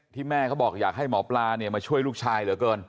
ที่แม่บอกอยากให้หมอปลามาช่วยลูกชายเหรอเกิน